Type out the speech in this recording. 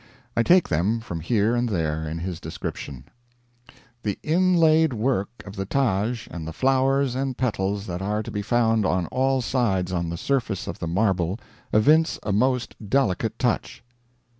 I take them from here and there in his description: "The inlaid work of the Taj and the flowers and petals that are to be found on all sides on the surface of the marble evince a most delicate touch."